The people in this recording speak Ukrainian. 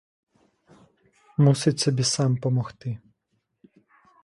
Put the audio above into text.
Мусить собі сам помогти.